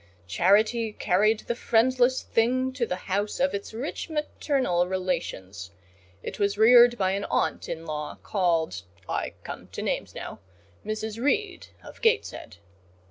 Charity carried the friendless thing to the house of its rich maternal relations; it was reared by an aunt in law, called (I come to names now) Mrs. Reed of Gateshead.